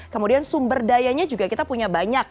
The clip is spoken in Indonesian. kemudian sumber dayanya juga kita punya banyak